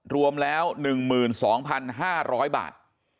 รวมแล้ว๑๒๕๐๐บาท